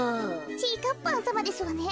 ちぃかっぱさまですわね。